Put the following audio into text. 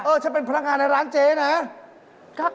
ฉันเป็นพนักงานในร้านเจ๊นะ